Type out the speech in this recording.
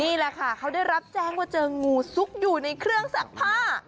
นี่แหละค่ะเขาได้รับแจ้งว่าเจองูซุกอยู่ในเครื่องซักผ้า